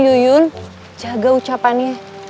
yuyun jaga ucapannya